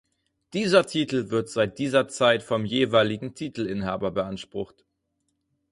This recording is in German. Dieser Titel wird seit dieser Zeit vom jeweiligen Titelinhaber beansprucht.